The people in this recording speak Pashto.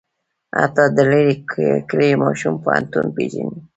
حتی د لرې کلي ماشوم پوهنتون پېژني.